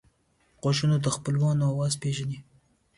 غوږونه د خپلوانو آواز پېژني